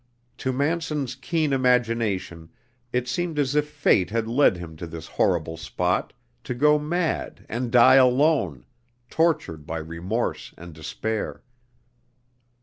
To Manson's keen imagination it seemed as if Fate had led him to this horrible spot to go mad and die alone, tortured by remorse and despair.